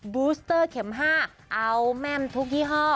บูสเตอร์เข็ม๕เอาแม่มทุกยี่ห้อ